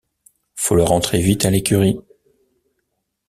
Faut le rentrer vite à l’écurie.